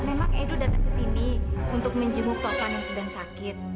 memang edo datang ke sini untuk menjenguk papan yang sedang sakit